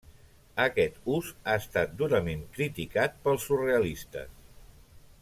Aquest ús ha estat durament criticat pels surrealistes.